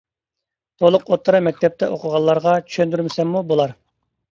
تولۇق ئوتتۇرا مەكتەپتە ئوقۇغانلارغا چۈشەندۈرمىسەممۇ بولار.